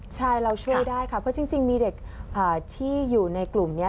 ใช่เราช่วยได้ค่ะเพราะจริงมีเด็กที่อยู่ในกลุ่มนี้